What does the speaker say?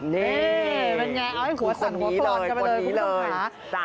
นี่เป็นไงเอาให้หัวสั่นหัวคลอดกันไปเลยคุณผู้ชมค่ะ